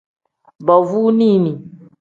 Baavunini.